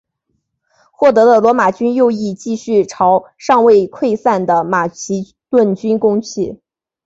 获胜的罗马军右翼继续朝尚未溃散的马其顿军攻去。